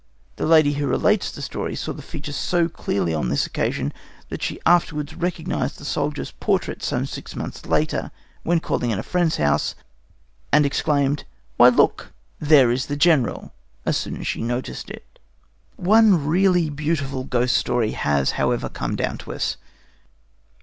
The lady who relates the story saw the features so clearly on this occasion that she afterwards recognized the soldier's portrait some six months later, when calling at a friend's house, and exclaimed: "Why, look! There is the General!" as soon as she noticed it. One really beautiful ghost story has, however, come down to us.